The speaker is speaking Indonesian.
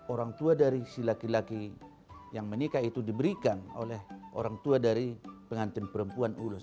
orang tua dari si laki laki yang menikah itu diberikan oleh orang tua dari pengantin perempuan ulos